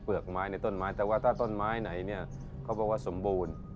กไม้ในต้นไม้แต่ว่าถ้าต้นไม้ไหนเนี่ยเขาบอกว่าสมบูรณ์